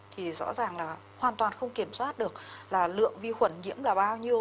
thì rõ ràng là hoàn toàn không kiểm soát được là lượng vi khuẩn nhiễm là bao nhiêu